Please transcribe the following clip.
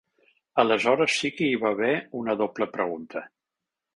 Aleshores sí que hi va haver una doble pregunta.